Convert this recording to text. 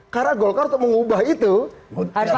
karena golkar untuk mengubah itu harus munas